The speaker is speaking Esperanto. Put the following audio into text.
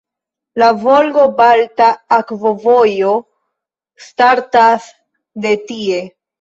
La Volgo-Balta Akvovojo startas de tie.